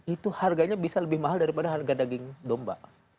itu harganya bisa lebih mahal daripada harga daging domba